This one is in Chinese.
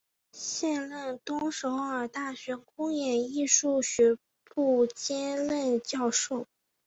现任东首尔大学公演艺术学部兼任教授。